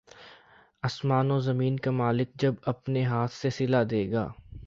آسمان و زمین کا مالک جب اپنے ہاتھ سے صلہ دے گا